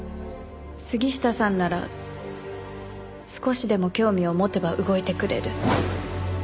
杉下さんなら少しでも興味を持てば動いてくれる。